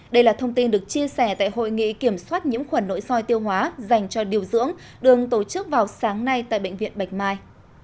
đây là thông tin được chia sẻ tại hội nghị kiểm soát nhiễm khuẩn nội soi tiêu hóa dành cho điều dưỡng đường tổ chức vào sáng nay tại bệnh viện bạch mai